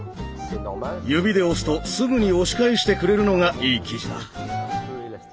指で押すとすぐに押し返してくれるのがいい生地だ。